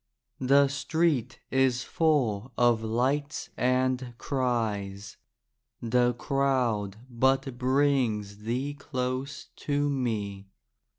The street is full of lights and cries. The crowd but brings thee close to me.